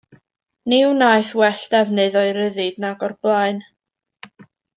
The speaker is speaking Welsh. Ni wnaeth well defnydd o'i ryddid nag o'r blaen.